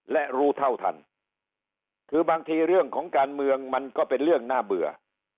และรู้เท่าทันคือบางทีเรื่องของการเมืองมันก็เป็นเรื่องน่าเบื่อ